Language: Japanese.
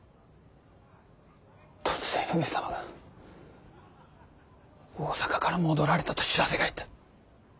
突然上様が大坂から戻られたと報せが入った。